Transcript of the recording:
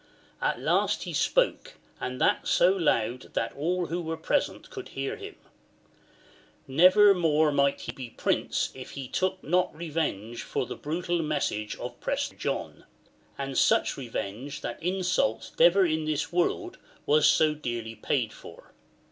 At last he spoke, and that so loud that all who were present could hear him :" Never more might he be prince if he took not revenge for the brutal message of Prester John, and such re venge that insult never in this world was so dearly paid for.